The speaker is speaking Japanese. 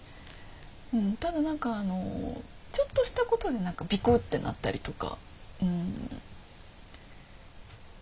ただ何かあのちょっとしたことでビクッてなったりとか。